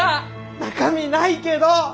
中身ないけど！